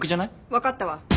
分かったわ。